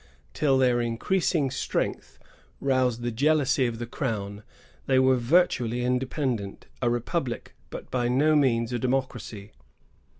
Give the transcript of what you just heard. Till their increasing strength roused the jealousy of the Crown, they were virtually independent, — a republic, but by no means a democracy.